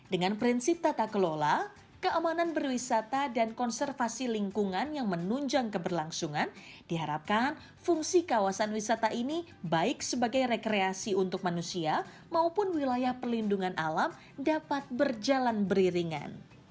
dengan prinsip tata kelola keamanan berwisata dan konservasi lingkungan yang menunjang keberlangsungan diharapkan fungsi kawasan wisata ini baik sebagai rekreasi untuk manusia maupun wilayah perlindungan alam dapat berjalan beriringan